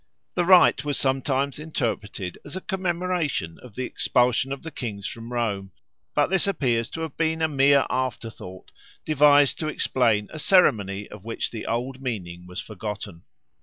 The rite was sometimes interpreted as a commemoration of the expulsion of the kings from Rome; but this appears to have been a mere afterthought devised to explain a ceremony of which the old meaning was forgotten.